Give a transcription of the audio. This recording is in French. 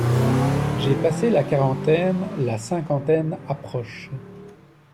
J'ai passé la quarantaine, la cinquantaine approche.